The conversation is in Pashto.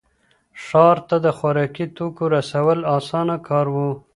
ښار ته د خوراکي توکو رسول اسانه کار و.